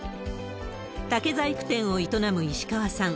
竹細工店を営む石川さん。